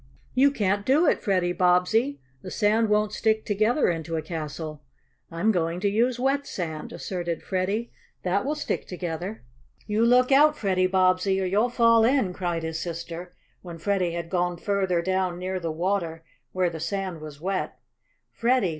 "You can't do it, Freddie Bobbsey. The sand won't stick together into a castle." "I'm going to use wet sand," asserted Freddie. "That will stick together." "You look out, Freddie Bobbsey, or you'll fall in!" cried his sister, when Freddie had gone further down near the water where the sand was wet. "Freddie!